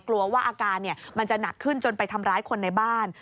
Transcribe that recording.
กลัวว่าอาการมันจะหนักขึ้นจนไปทำร้ายคนในบ้าน